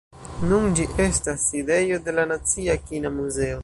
Nun ĝi estas sidejo de la nacia kina muzeo.